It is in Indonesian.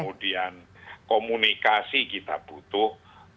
kemudian komunikasi kita butuh